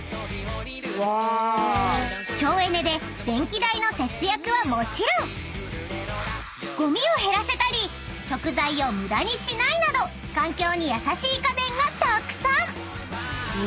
［省エネで電気代の節約はもちろんごみを減らせたり食材を無駄にしないなど環境に優しい家電がたくさん！］